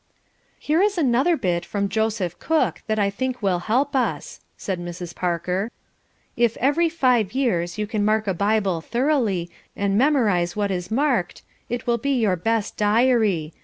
"Here is another bit from Joseph Cook that I think will help us," said Mrs. Parker. "'If every five years you can mark a Bible thoroughly, and memorise what is marked, it will be your best diary.